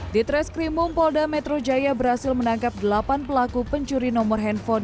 di treskrimum polda metro jaya berhasil menangkap delapan pelaku pencuri nomor handphone